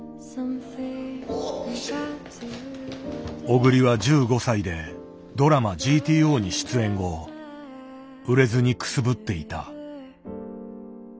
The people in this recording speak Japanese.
小栗は１５歳でドラマ「ＧＴＯ」に出演後売れずにくすぶっていた。